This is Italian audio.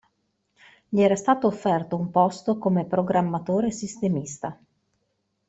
Gli era stato offerto un posto come programmatore sistemista.